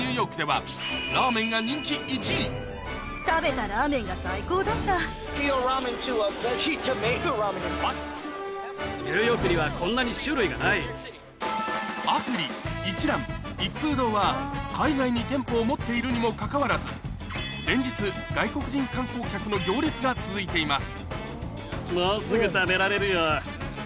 さらにスイーツ以外にも今やラーメンがＡＦＵＲＩ一蘭一風堂は海外に店舗を持っているにもかかわらず連日外国人観光客の行列が続いています